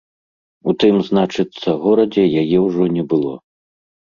У тым, значыцца, горадзе яе ўжо не было.